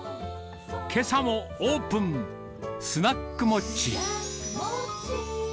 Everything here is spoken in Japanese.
けさもオープン、スナックモッチー。